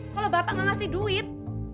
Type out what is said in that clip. kalau bapak nggak ngasih duit